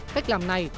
cách làm này